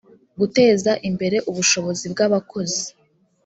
guteza imbere ubushobozi bw abakozi